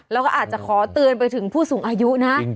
แล้วก็อาจจะขอเตือนไปถึงผู้สูงอายุนะ